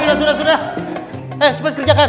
eh cepet kerjakan